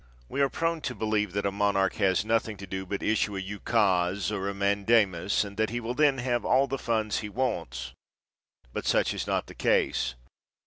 We are prone to believe that a monarch has nothing to do but issue a ukase or a mandamus and that he will then have all the funds he wants; but such is not the case.